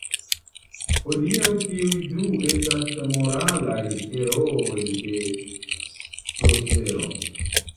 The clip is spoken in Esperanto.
Hodiaŭ tiuj du estas modelaj herooj de prospero.